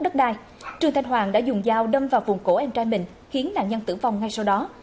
trường thanh hoàng đã dùng dao đâm vào vùng cổ em trai mình khiến nạn nhân tử vong ngay sau đó